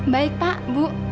baik pak bu